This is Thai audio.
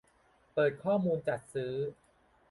เปิดข้อมูลจัดซื้อ